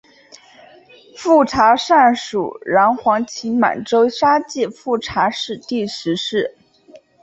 富察善属镶黄旗满洲沙济富察氏第十世。